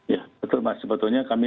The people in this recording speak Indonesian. ya betul mas sebetulnya kami